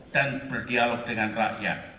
dan berdialog dengan rakyat